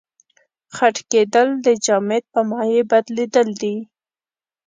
خټکېدل د جامد په مایع بدلیدل دي.